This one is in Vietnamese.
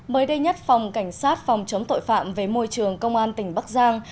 mới đây nhất phòng cảnh sát phòng chống tội phạm về môi trường công an tỉnh bắc giang